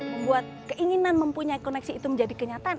membuat keinginan mempunyai koneksi itu menjadi kenyataan